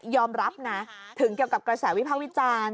ยอมรับนะถึงเกี่ยวกับกระแสวิภาควิจารณ์